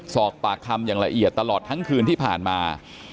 สอบปากคำอย่างละเอียดตลอดทั้งคืนที่ผ่านมา